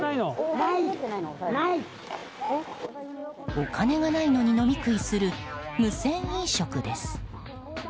お金がないのに飲み食いする無銭飲食です。